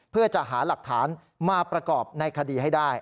เพื่อจะหาหลักฐานมาประกอบในคดีให้ได้